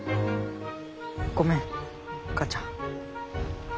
ごめん母ちゃん。